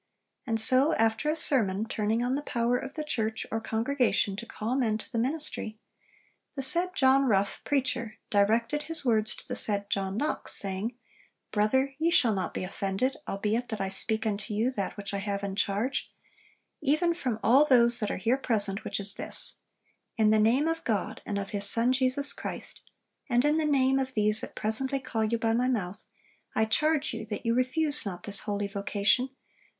And so, after a sermon turning on the power of the church or congregation to call men to the ministry, 'The said John Rough, preacher, directed his words to the said John Knox, saying, "Brother, ye shall not be offended, albeit that I speak unto you that which I have in charge, even from all those that are here present, which is this: In the name of God, and of His Son Jesus Christ, and in the name of these that presently call you by my mouth, I charge you that you refuse not this holy vocation, but